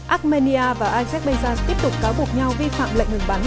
armenia và azerbaijan tiếp tục cáo buộc nhau vi phạm lệnh ngừng bắn